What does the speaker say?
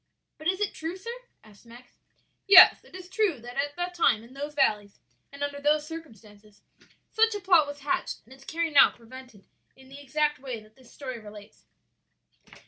"But is it true, sir?" asked Max. "Yes; it is true that at that time, in those valleys, and under those circumstances, such a plot was hatched and its carrying out prevented in the exact way that this story relates."